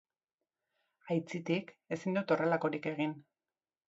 Aitzitik, ezin dut horrelakorik egin.